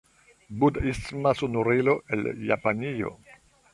Budhisma sonorilo el Japanio.